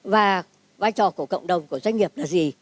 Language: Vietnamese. và vai trò của cộng đồng của doanh nghiệp là gì